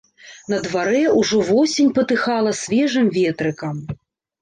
На дварэ ўжо восень патыхала свежым ветрыкам.